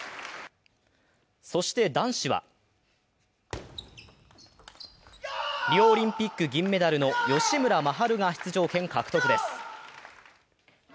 そして男子はリオオリンピック銀メダルの吉村真晴が出場権獲得です。